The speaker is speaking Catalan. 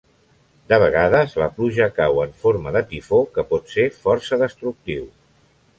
De vegades la pluja cau en forma de tifó que pot ser força destructiu.